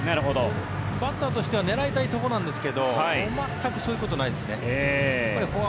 バッターとしては狙いたいところなんですが全くそういうことがないですね。